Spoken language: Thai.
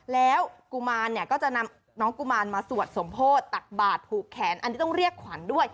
แล้วกุมารเนี่ยก็จะนำน้องกุมารมาสวดสมโพธิตตักบาทผูกแขนอันนี้ต้องเรียกขวัญด้วย